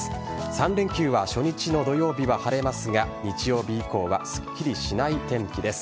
３連休は初日の土曜日は晴れますが日曜日以降はすっきりしない天気です。